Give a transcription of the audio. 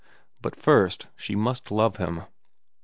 But first, she must love him.